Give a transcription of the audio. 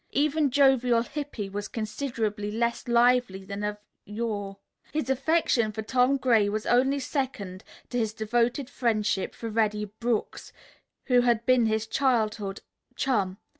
Even jovial Hippy was considerably less lively than of yore. His affection for Tom Gray was only second to his devoted friendship for Reddy Brooks, who had been his childhood's chum.